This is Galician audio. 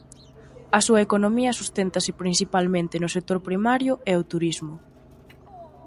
A súa economía susténtase principalmente no sector primario e o turismo.